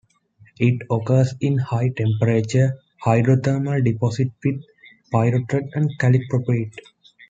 It occurs in high temperature hydrothermal deposits with pyrrhotite and chalcopyrite.